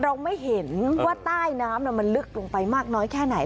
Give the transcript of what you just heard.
เราไม่เห็นว่าใต้น้ำมันลึกลงไปมากน้อยแค่ไหน